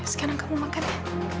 sekarang kamu makan ya